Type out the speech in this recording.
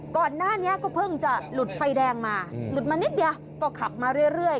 ก่อนหน้านี้ก็เพิ่งจะหลุดไฟแดงมาหลุดมานิดเดียวก็ขับมาเรื่อย